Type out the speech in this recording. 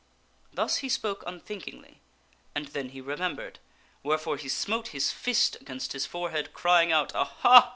Thus he spoke unthinkingly ; and then he remembered. Wherefore he smote his fist against his forehead, crying out, " Aha